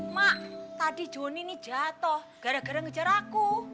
mak tadi jonny nih jatuh gara gara ngejar aku